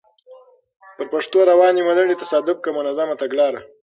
پر پښتو روانې ملنډې؛ تصادف که منظمه تګلاره؟